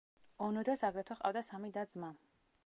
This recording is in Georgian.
ონოდას აგრეთვე ჰყავდა სამი და-ძმა.